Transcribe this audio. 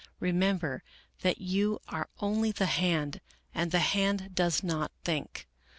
Remember that you are only the hand, and the hand does not think."